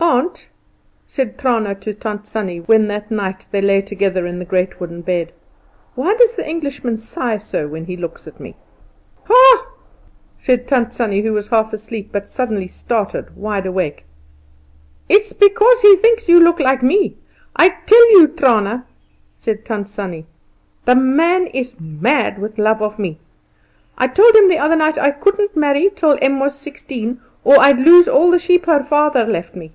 "Aunt," said Trana to Tant Sannie when that night they lay together in the great wooden bed, "why does the Englishman sigh so when he looks at me?" "Ha!" said Tant Sannie, who was half asleep, but suddenly started, wide awake. "It's because he thinks you look like me. I tell you, Trana," said Tant Sannie, "the man is mad with love of me. I told him the other night I couldn't marry till Em was sixteen, or I'd lose all the sheep her father left me.